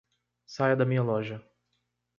Saia da minha loja.